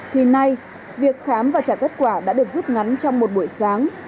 thì nay việc khám và trả kết quả đã được rút ngắn trong một buổi sáng